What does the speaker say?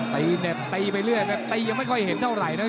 เหน็บตีไปเรื่อยนะตียังไม่ค่อยเห็นเท่าไหร่นะ